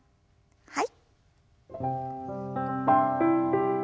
はい。